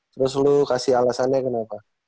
terus lu kasih alasannya kenapa